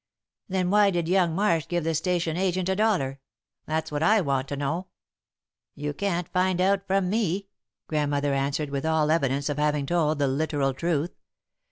"Then why did young Marsh give the station agent a dollar? That's what I want to know." "You can't find out from me," Grandmother answered, with all evidence of having told the literal truth.